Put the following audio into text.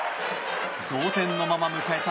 同点のまま迎えた